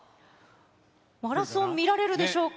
マラソン、見られるでしょうか。